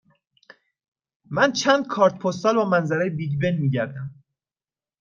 من چند کارت پستال با منظره بیگ بن می گردم.